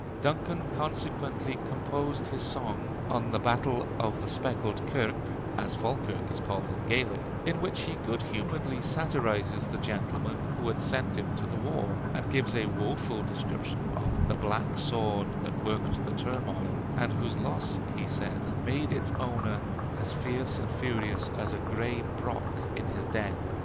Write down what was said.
Duncan consequently composed his song on 'The Battle of the Speckled Kirk' as Falkirk is called in Gaelic in which he good humoredly satirized the gentleman who had sent him to the war, and gave a woful description of 'the black sword that worked the turmoil,' and whose loss, he says, made its owner 'as fierce and furious as a gray brock in his den.'